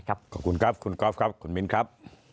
ขอบคุณครับคุณกรอฟและนะครับ